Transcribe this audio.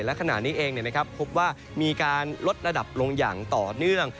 และขณะนี้เองพบว่ามีการลดระดับลงอย่างต่อเนื่อง